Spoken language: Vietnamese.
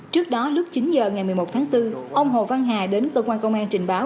trước đó lúc chín h ngày một mươi một tháng bốn ông hồ văn hà đến cơ quan công an trình báo